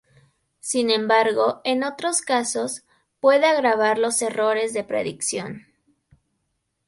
Sin embargo, en otros casos, puede agravar los errores de predicción.